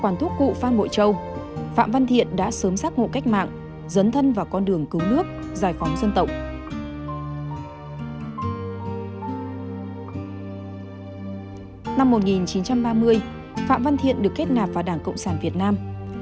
năm một nghìn chín trăm ba mươi phạm văn thiện được kết nạp vào đảng cộng sản việt nam